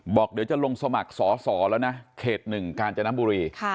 บอกเดี๋ยวจะลงสมัครสอสอแล้วนะเขตหนึ่งการจะน้ำบุรี